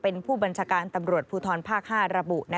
เป็นผู้บัญชาการตำรวจภูทรภาค๕ระบุ